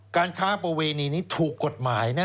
การค้าประเวณีนี้ถูกกฎหมายนะ